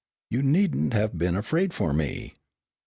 You needn't have been afraid for me."